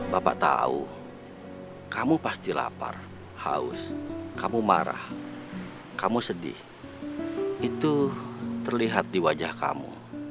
bapak tahu kamu pasti lapar haus kamu marah kamu sedih itu terlihat di wajah kamu